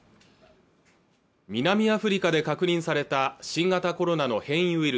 南アフリカで確認された新型コロナの変異ウイル